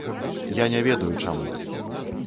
Я не ведаю, чаму.